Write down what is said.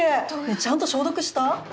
ちゃんと消毒した？